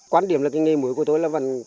quan điểm là cái nghề muối của tôi là